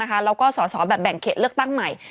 แล้วก็สอสอแบบแบ่งเขตเลือกตั้งใหม่